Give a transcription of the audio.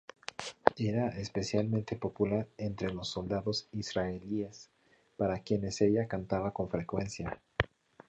Era especialmente popular entre los soldados israelíes, para quienes ella cantaba con frecuencia.